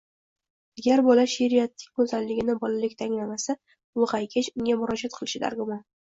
Agar bola sheʼriyatning go‘zalligini bolalikda anglamasa, ulg‘aygach unga murojaat qilishi dargumon.